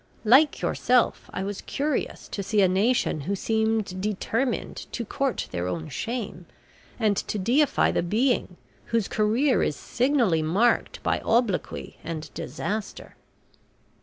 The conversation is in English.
"Like yourself I was curious to see a nation who seemed determined to court their own shame, and to deify the being whose career is signally marked by obloquy and disaster."